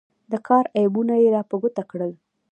د کار عیبونه یې را په ګوته کړل.